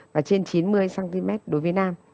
và trên chín mươi cm đối với nam